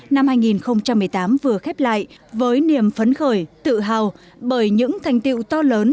năm hai nghìn một mươi tám vừa khép lại với niềm phấn khởi tự hào bởi những thành tiệu to lớn